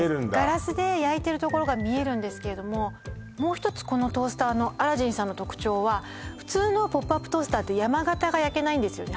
ガラスで焼いてるところが見えるんですけれどももう一つこのトースターのアラジンさんの特徴は普通のポップアップトースターって山型が焼けないんですよね